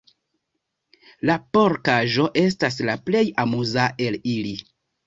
La porkaĵo estas la plej amuza el ili.